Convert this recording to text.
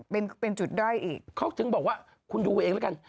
เป็นเป็นจุดด้อยอีกเขาถึงบอกว่าคุณดูเองแล้วกัน